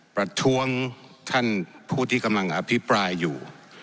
ประท้วงท่านผู้ที่กำลังอภิปรายอยู่